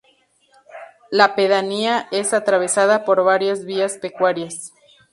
La pedanía es atravesada por varias vías pecuarias.